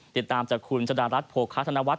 ติดตามจากคุณจดารัฐโภคาธนวัฒ